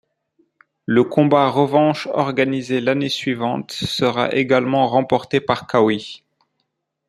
Le combat revanche organisé l'année suivante sera également remporté par Qawi.